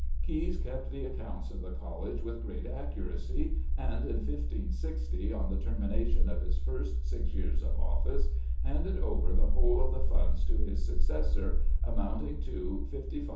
Caius kept the accounts of the College with great accuracy, and in 1560, on the termination of his first six years of office, handed over the whole of the funds to his successor, amounting to £55 13s.